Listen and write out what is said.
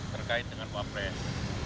terkait dengan cawapres